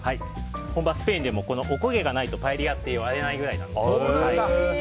本場スペインでもこのおこげがないとパエリアって呼ばれないぐらいなんです。